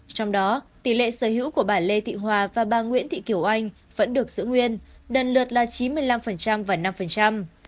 trong đó tỷ lệ sở hữu của bà lê thị hòa và bà nguyễn thị kiều oanh vẫn được giữ nguyên đần lượt là chín mươi năm và năm